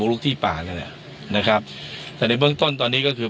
บุหรุที่หลังอย่างเงี้ยนะครับแต่ในเบื้องต้นตอนนี้ก็คือ